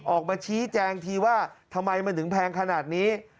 ออกมาชี้แจงทีว่าทำไมมันถึงแพงขนาดนี้